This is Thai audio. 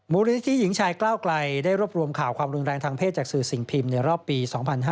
มูลนิธิหญิงชายก้าวไกลได้รวบรวมข่าวความรุนแรงทางเพศจากสื่อสิ่งพิมพ์ในรอบปี๒๕๕๙